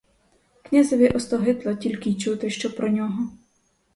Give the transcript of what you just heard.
Князеві остогидло тільки й чути, що про нього.